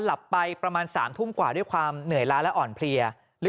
หลับไปประมาณ๓ทุ่มกว่าด้วยความเหนื่อยล้าและอ่อนเพลียหรือ